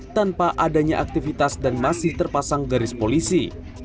tanpa adanya aktivitas dan masih terpasang garis polisi